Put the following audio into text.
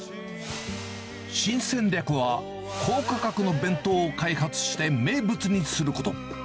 新戦略は、高価格の弁当を開発して、名物にすること。